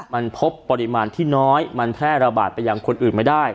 มันพบปริมาณที่น้อยมันแพร่ระบาดไปยังคนอื่นไม่ได้